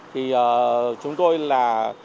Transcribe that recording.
thì chúng tôi là